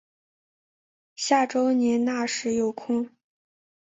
下周你那时有空